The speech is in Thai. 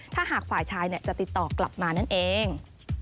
ถ้าหากฝ่ายชายจะติดต่อกลับมานั่นเอง